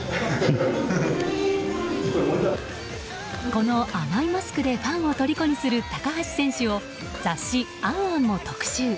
この甘いマスクでファンをとりこにする高橋選手を雑誌「ａｎａｎ」も特集。